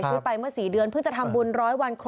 ช่วยต่อไปอยู่ก้างก็